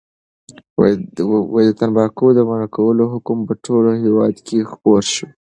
د تنباکو د منع کولو حکم په ټول هېواد کې خپور شو.